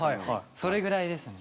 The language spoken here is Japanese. それぐらいですね。